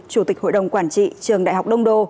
chủ tịch hội đồng quản trị trường đại học đông đô